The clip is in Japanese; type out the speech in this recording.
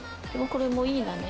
これもいいね。